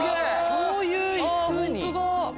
そういうふうに！